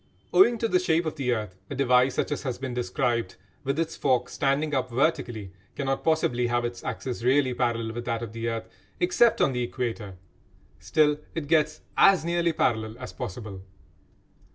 Owing to the shape of the earth, a device such as has been described, with its fork standing up vertically, cannot possibly have its axis really parallel with that of the earth, except on the Equator. Still it gets as nearly parallel as possible.